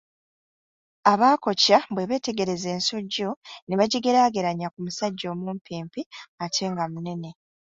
Abaakoca bwe beetegereza ensujju ne bagigeraageranya ku musajja omumpimpi ate nga munene.